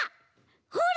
ほら！